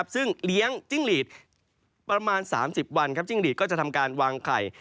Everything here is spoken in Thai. ซึ่งเลี้ยงจิ้งหลีดประมาณ๓๐วันจิ้งหลีดก็จะทำการวางไข่